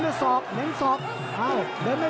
ติดตามยังน้อยกว่า